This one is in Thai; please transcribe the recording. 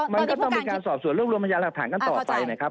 มันก็ต้องเป็นการสอบส่วนเรื่องรวมอายารหักฐานกันต่อไปนะครับ